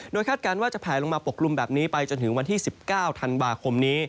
โดยคาดการณ์ว่าจะแผลลงมาปกกลุ่มแบบนี้ไปจนถึงวันที่๑๙ธันวาคมนี้